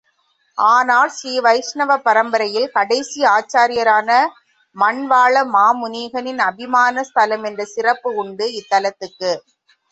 ஆனால் ஸ்ரீ வைஷ்ணவ பரம்பரையில் கடைசி ஆச்சாரியரான மண்வாள மாமுனிகளின் அபிமான ஸ்தலம் என்ற சிறப்பு உண்டு இத்தலத்துக்கு.